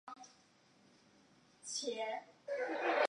应报正义着重对恶行的适当回应。